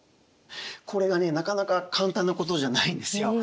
これがねなかなか簡単なことじゃないんですよ。